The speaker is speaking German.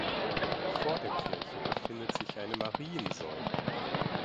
Vor der Kirche befindet sich eine Mariensäule.